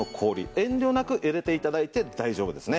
遠慮なく入れて頂いて大丈夫ですね。